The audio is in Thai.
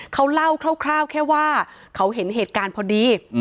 เขาเล่าคร่าวแค่ว่าเขาเห็นเหตุการณ์พอดี